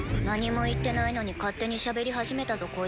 何も言ってないのに勝手にしゃべり始めたぞ